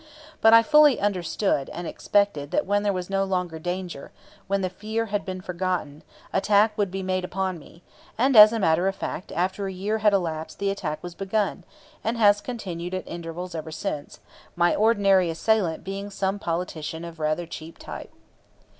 But I fully understood and expected that when there was no longer danger, when the fear had been forgotten, attack would be made upon me; and as a matter of fact after a year had elapsed the attack was begun, and has continued at intervals ever since; my ordinary assailant being some politician of rather cheap type.